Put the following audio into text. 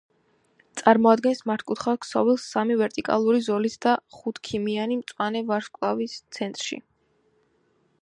წარმოადგენს მართკუთხა ქსოვილს სამი ვერტიკალური ზოლით და ხუთქიმიანი მწვანე ვარსკვლავით ცენტრში.